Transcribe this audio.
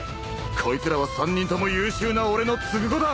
こいつらは３人とも優秀な俺の継子だ！